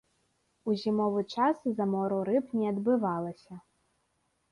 У зімовы час замору рыб не адбывалася.